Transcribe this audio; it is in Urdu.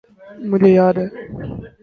مجھے یاد ہے۔